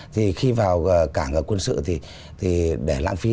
thì khi vào cảng quân sự thì để lãng phí